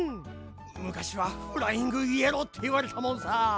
むかしは「フライングイエロー」っていわれたもんさ。